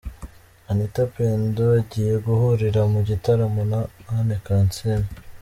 Anita Pendo agiye guhurira mu gitaramo na Anne kansiime .